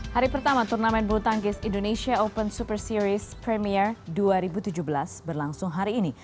hari pertama turnamen bulu tangkis indonesia open super series premier dua ribu tujuh belas berlangsung hari ini